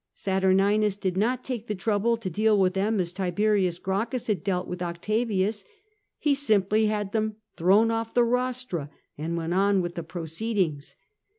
Saturninus did not take the trouble to deal with them as Tiberius Gracchus had dealt with Octavius ; he simply had them thrown off the rostra and went on with the proceedings.